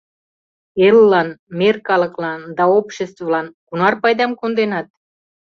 Эллан, мер калыклан да обществылан кунар пайдам конденат?